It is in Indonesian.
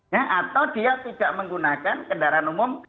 ya atau dia tidak menggunakan kendaraan umum